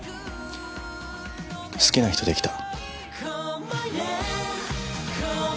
好きな人出来た。